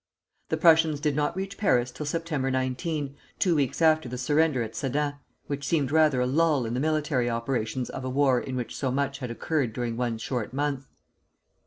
The Prussians did not reach Paris till September 19, two weeks after the surrender at Sedan, which seemed rather a lull in the military operations of a war in which so much had occurred during one short month.